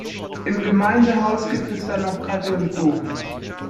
Im Gemeindehaus gibt es dann noch Kaffee und Kuchen.